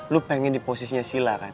lo pengen di posisinya silah kan